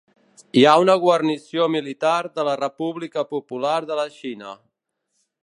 Hi ha una guarnició militar de la República Popular de la Xina.